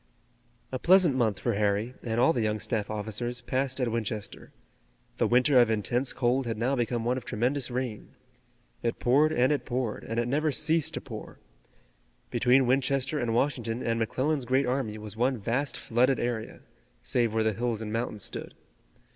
A pleasant month for Harry, and all the young staff officers passed at Winchester. The winter of intense cold had now become one of tremendous rain. It poured and it poured, and it never ceased to pour. Between Winchester and Washington and McClellan's great army was one vast flooded area, save where the hills and mountains stood.